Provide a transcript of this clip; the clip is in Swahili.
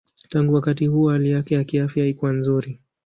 Tangu wakati huo hali yake ya kiafya haikuwa nzuri.